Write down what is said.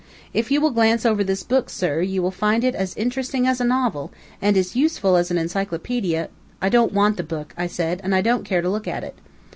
If you will glance over this book, sir, you will find it as interesting as a novel, and as useful as an encyclopaedia " "I don't want the book," I said, "and I don't care to look at it."